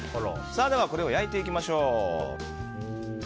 では、これを焼いていきましょう。